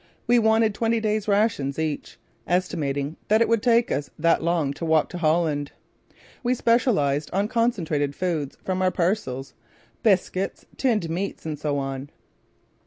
We wanted twenty days' rations each, estimating that it would take us that long to walk to Holland. We specialised on concentrated foods from our parcels biscuits, tinned meats, and so on.